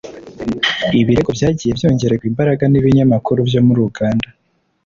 ibirego byagiye byongererwa imbaraga n’ibinyamakuru byo muri uganda.